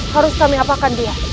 harus kami apakan dia